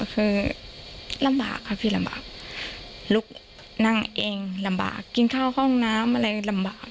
คือลำบากค่ะพี่ลำบากลุกนั่งเองลำบากกินข้าวห้องน้ำอะไรลำบาก